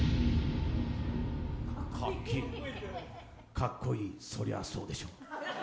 かっこいい、そりゃそうでしょう。